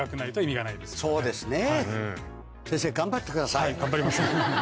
はい頑張ります。